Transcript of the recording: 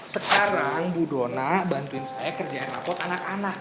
sekarang bu dona bantuin saya kerjaan rapot anak anak